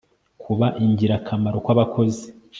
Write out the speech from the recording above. Kuba Ingirakamaro kwAbakozi